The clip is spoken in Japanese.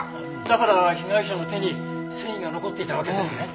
だから被害者の手に繊維が残っていたわけですね。